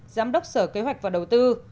giám đốc sở kế hoạch và đầu tư